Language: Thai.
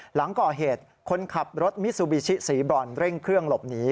หลังก่อเหตุคนขับรถมิซูบิชิสีบรอนเร่งเครื่องหลบหนี